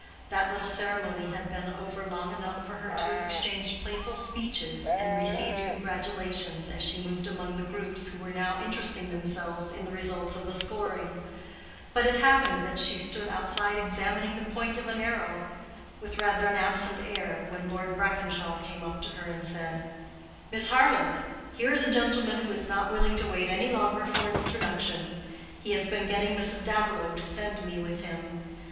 That little ceremony had been over long enough for her to have exchanged playful speeches and received congratulations as she moved among the groups who were now interesting themselves in the results of the scoring; but it happened that she stood outside examining the point of an arrow with rather an absent air when Lord Brackenshaw came up to her and said, "Miss Harleth, here is a gentleman who is not willing to wait any longer for an introduction. He has been getting Mrs. Davilow to send me with him.